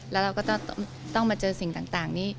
แล้วเราก็ต้องมาเจอสิ่งต่างนี้